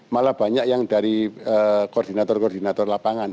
malah banyak yang dari koordinator koordinator lapangan